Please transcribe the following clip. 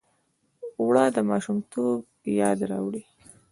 اوړه د ماشومتوب یاد راوړي